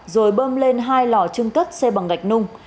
rồi bơm lên hai lò chương cất xe bằng ngạch nung